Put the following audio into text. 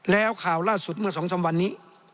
แล้วข่าวล่าสุดเมื่อ๒๓วันนี้